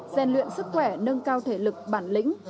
gian luyện sức khỏe nâng cao thể lực bản lĩnh